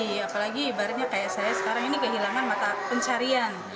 sebenarnya kayak saya sekarang ini kehilangan mata pencarian